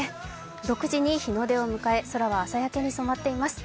６時に日の出を迎え、空は朝焼けに染まっています。